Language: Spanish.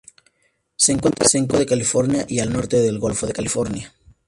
Se encuentra al sur de California y al norte del Golfo de California.